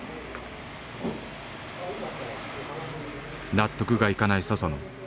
納得がいかない佐々野。